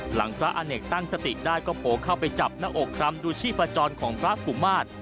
หลังพระอเนกตั้งสติได้ก็โผล่เข้าไปจับหน้าอกคร้ำดูชีพจรของพระกุมาตร